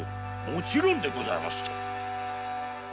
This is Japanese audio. もちろんでございます。